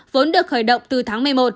vốn được khởi động từ tháng một mươi một